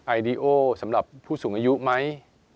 ไอดีโอสำหรับผู้สูงอายุไหม